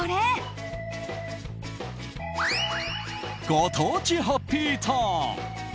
ご当地ハッピーターン！